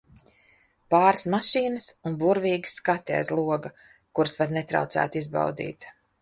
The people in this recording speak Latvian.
Pāris mašīnas un burvīgi skati aiz loga, kurus var netraucēti izbaudīt.